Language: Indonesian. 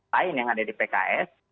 lain yang ada di pks